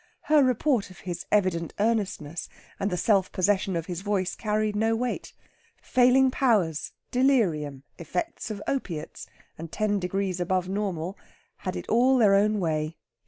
Her report of his evident earnestness and the self possession of his voice carried no weight; failing powers, delirium, effects of opiates, and ten degrees above normal had it all their own way.